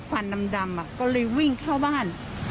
ไฟแบบร้อนตัวแล้ว